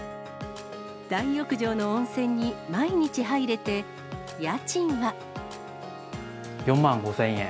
大浴場の温泉に毎日入れて、４万５０００円。